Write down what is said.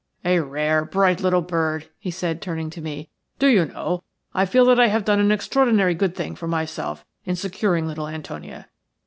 "A rare, bright little bird," he said, turning to me. "Do you know, I feel that I have done an extraordinarily good thing for myself in securing little Antonia.